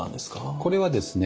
これはですね